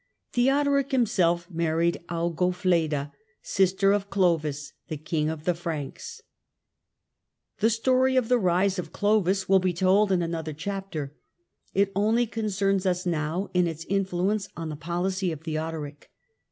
heodoric himself married Augofleda, sister of Clovis, te king of the Franks. The story of the rise of Clovis will be told in another 3. The T ,... a Franks iapter. It only concerns us now m its influence on policy of Theodoric.